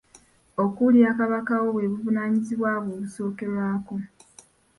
Okuwulira Kabaka wo bwe buvunaanyizibwa bwo obusookerwako.